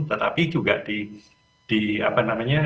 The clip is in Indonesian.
tetapi juga di apa namanya